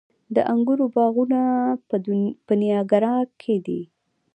د انګورو باغونه په نیاګرا کې دي.